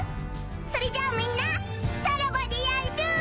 それじゃあみんなさらばでやんす！